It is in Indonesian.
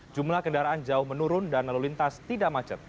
jumlah kendaraan jauh menurun dan lalu lintas tidak macet